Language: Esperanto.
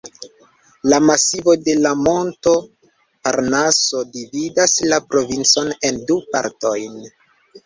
La masivo de la monto Parnaso dividas la provincon en du partojn.